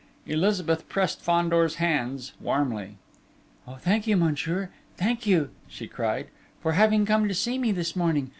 Elizabeth pressed Fandor's hands warmly. "Oh, thank you, monsieur, thank you!" she cried, "for having come to see me this morning.